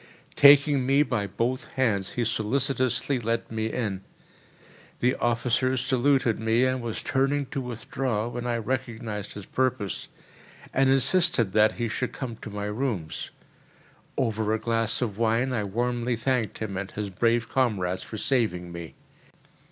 Taking me by both hands he solicitously led me in. The officer saluted me and was turning to withdraw, when I recognised his purpose, and insisted that he should come to my rooms. Over a glass of wine I warmly thanked him and his brave comrades for saving me.